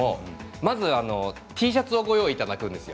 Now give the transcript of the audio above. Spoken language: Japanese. まずＴシャツをご用意いただくんですよ